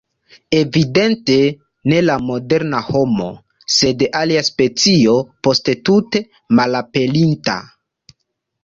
Evidente ne la moderna homo, sed alia specio poste tute malaperinta.